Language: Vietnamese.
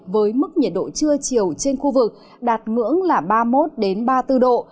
với mức nhiệt độ trưa chiều trên khu vực đạt ngưỡng là ba mươi một ba mươi bốn độ